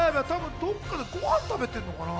どっかでご飯食べてるのかな？